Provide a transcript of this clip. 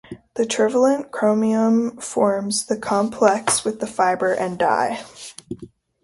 The trivalent chromium forms the complex with the fibre and dye.